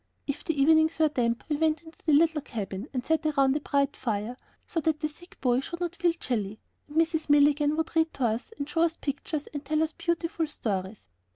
If the evenings were damp we went into the little cabin and sat round a bright fire, so that the sick boy should not feel chilly, and Mrs. Milligan would read to us and show us pictures and tell us beautiful stories.